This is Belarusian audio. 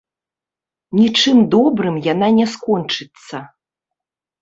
Нічым добрым яна не скончыцца.